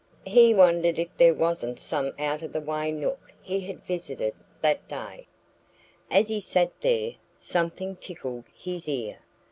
He wondered if there wasn't some out of the way nook he had visited that day. As he sat there, something tickled his ear.